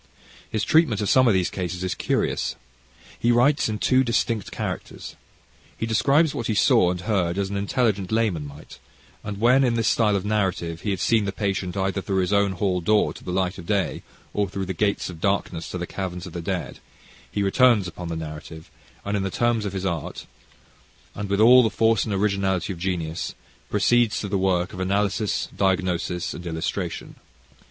His treatment of some of these cases is curious. He writes in two distinct characters. He describes what he saw and heard as an intelligent layman might, and when in this style of narrative he had seen the patient either through his own hall door, to the light of day, or through the gates of darkness to the caverns of the dead, he returns upon the narrative, and in the terms of his art and with all the force and originality of genius, proceeds to the work of analysis, diagnosis and illustration.